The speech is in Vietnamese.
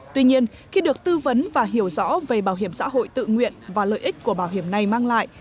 tuy nhiên khi được tư vấn và hiểu rõ về bảo hiểm xã hội tự nguyện và lợi ích của bảo hiểm này mang lại